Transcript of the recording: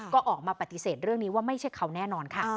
ก็ออกมาปฏิเสธเรื่องนี้ว่าไม่ใช่เขาแน่นอนค่ะ